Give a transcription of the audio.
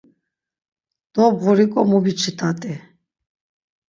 Dobğuriǩo mubiçit̆at̆i.